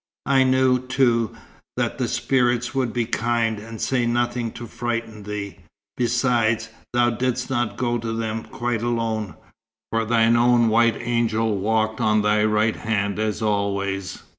I knew, too, that the spirits would be kind, and say nothing to frighten thee. Besides, thou didst not go to them quite alone, for thine own white angel walked on thy right hand, as always."